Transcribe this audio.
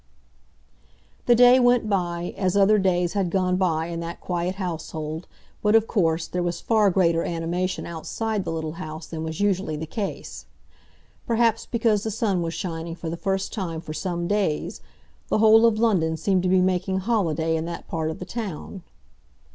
The day went by, as other days had gone by in that quiet household, but, of course, there was far greater animation outside the little house than was usually the case. Perhaps because the sun was shining for the first time for some days, the whole of London seemed to be making holiday in that part of the town.